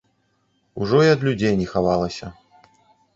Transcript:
Ужо і ад людзей не хавалася.